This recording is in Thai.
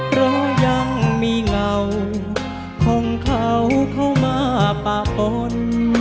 เพราะยังมีเงาของเขาเข้ามาปะปน